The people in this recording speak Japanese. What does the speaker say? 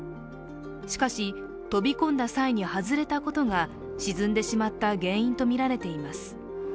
しかし、飛び込んだ際に外れたことが沈んでしまった原因とみられています。